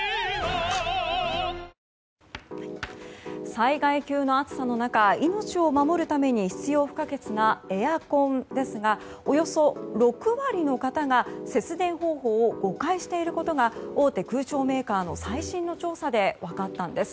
災害級の暑さの中命を守るために必要不可欠なエアコンですがおよそ６割の方が節電方法を誤解していることが大手空調メーカーの最新の調査で分かったんです。